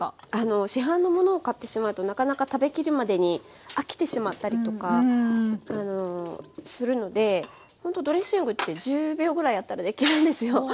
市販のものを買ってしまうとなかなか食べきるまでに飽きてしまったりとかするのでほんとドレッシングって１０秒ぐらいあったらできるんですよ。